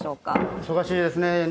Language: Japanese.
忙しいですね。